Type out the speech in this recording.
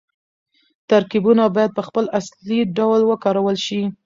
ترکيبونه بايد په خپل اصلي ډول وکارول شي.